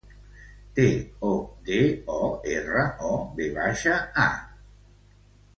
El meu pare es diu Telm Todorova: te, o, de, o, erra, o, ve baixa, a.